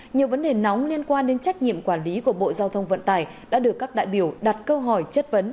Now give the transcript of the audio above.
nhiều vấn đề nóng liên quan đến trách nhiệm quản lý của bộ giao thông vận tải đã được các đại biểu đặt câu hỏi chất vấn